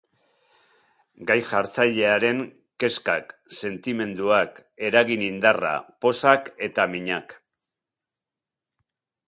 Gai-jartzailearen kezkak, sentimentuak, eragin-indarra, pozak eta minak.